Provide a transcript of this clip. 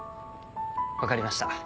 分かりました。